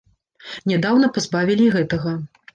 Нядаўна пазбавілі і гэтага.